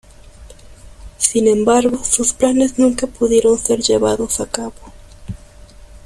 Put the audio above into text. Sin embargo, sus planes nunca pudieron ser llevados a cabo.